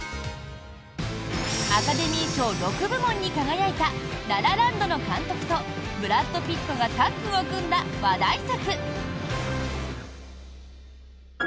アカデミー賞６部門に輝いた「ラ・ラ・ランド」の監督とブラッド・ピットがタッグを組んだ話題作！